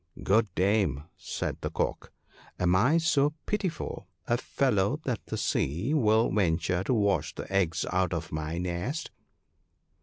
"Good dame," said the Cock, "am I so pitiful a fellow that the Sea will venture to wash the eggs out of my nest?"